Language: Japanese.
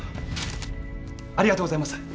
ありがとうございます。